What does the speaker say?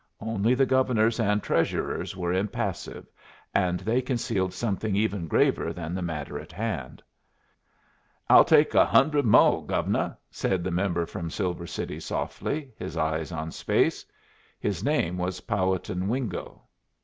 Only the Governor's and Treasurer's were impassive, and they concealed something even graver than the matter in hand. "I'll take a hun'red mo', Gove'nuh," said the member from Silver City, softly, his eyes on space. His name was Powhattan Wingo.